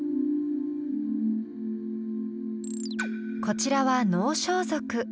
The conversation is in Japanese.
こちらは能装束。